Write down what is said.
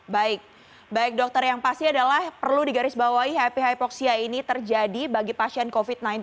baik baik dokter yang pasti adalah perlu digarisbawahi happy hypoxia ini terjadi bagi pasien covid sembilan belas